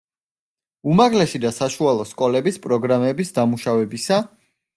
უმაღლესი და საშუალო სკოლების პროგრამების დამუშავებისა.